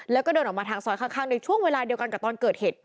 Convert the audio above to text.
แล้วก็เดินออกมาทางซอยข้างในช่วงเวลาเดียวกันกับตอนเกิดเหตุ